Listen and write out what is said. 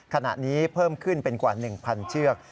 ขณะนี้เพิ่มขึ้นเป็นกว่า๑๐๐เชือก